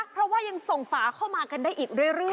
เพราะว่ายังส่งฝาเข้ามากันได้อีกเรื่อย